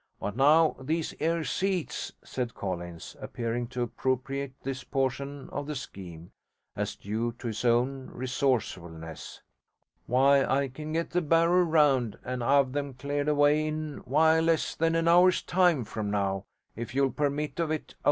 But now, these 'ere seats,' said Collins, appearing to appropriate this portion of the scheme as due to his own resourcefulness, 'why, I can get the barrer round and 'ave them cleared away in, why less than an hour's time from now, if you'll permit of it.